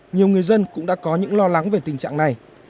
nhiều người dân cũng đã có những lo lắng về tình trạng này